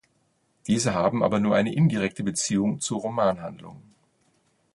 Diese haben aber nur eine indirekte Beziehung zur Romanhandlung.